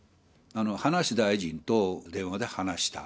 葉梨大臣と電話で話した。